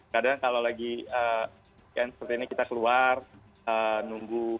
kadang kalau lagi seperti ini kita keluar nunggu